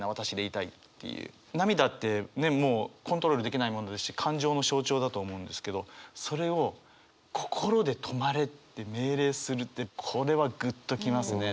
涙ってねっもうコントロールできないものだし感情の象徴だと思うんですけどそれを「心でとまれ」って命令するってこれはグッと来ますね。